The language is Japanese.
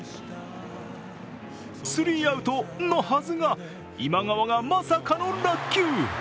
スリーアウトのはずが今川がまさかの落球。